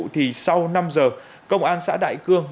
thì sau năm giờ công an xã đại cương